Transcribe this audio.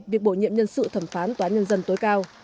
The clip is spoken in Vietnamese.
việc bổ nhiệm nhân sự thẩm phán tòa án nhân dân tối cao